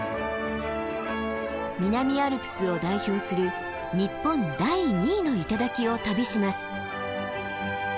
南アルプスを代表する日本第２位の頂を旅します。